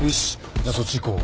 じゃあそっち行こう。